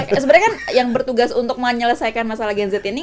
sebenarnya kan yang bertugas untuk menyelesaikan masalah gen z ini